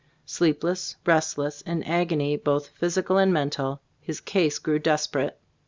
Sleepless, restless, in agony both physical and mental, his case grew desperate.